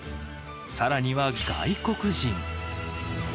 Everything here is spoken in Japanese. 更には外国人。